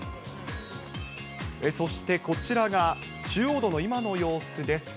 そしてこちらが、中央道の今の様子です。